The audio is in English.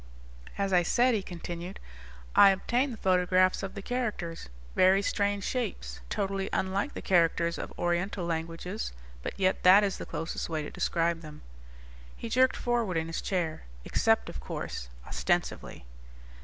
"As I said," he continued, "I obtained the photographs of the characters. Very strange shapes, totally unlike the characters of Oriental languages, but yet that is the closest way to describe them." He jerked forward in his chair, "Except, of course, ostensively."